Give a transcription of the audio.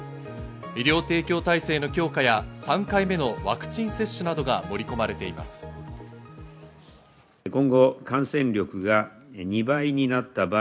医療提供体制の強化や、３回目のワクチン接種などが盛り込まれています。